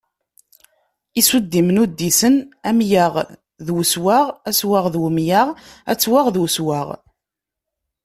Isuddimen uddisen:amyaɣ d uswaɣ aswaɣ d umyaɣ, attwaɣ d uswaɣ.